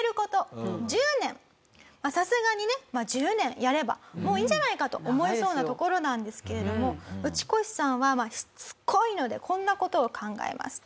さすがにねまあ１０年やればもういいんじゃないかと思いそうなところなんですけれどもウチコシさんはしつこいのでこんな事を考えます。